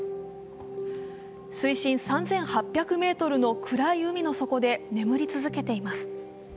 水深３８００ｍの暗い海の底で眠り続けています。